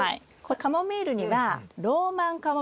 カモミールにはローマンカモミール